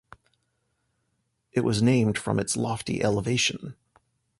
It was named from its lofty elevation.